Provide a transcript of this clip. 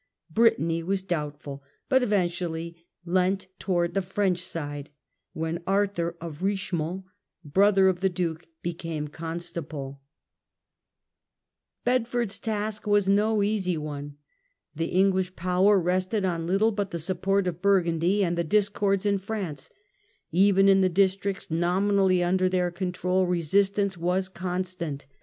Brittany was doubtful, but eventually leant towards the French side, when Arthur of Richemont, brother of the Duke, became Con stable. 216 THE END OF THE MIDDLE AGE Regency of Bedford's task was no easy one. The English power Bed?ord^°*^ested on little but the support of Burgundy and the discords in France; even in the districts nominally under their control resistance was constant.